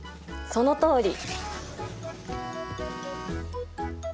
そのとおり！